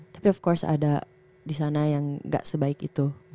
tapi of course ada disana yang gak sebaik itu